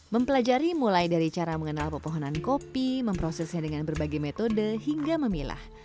mempelajari mulai dari cara mengenal pepohonan kopi memprosesnya dengan berbagai metode hingga memilah